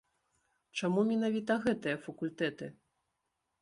Чаму менавіта гэтыя факультэты?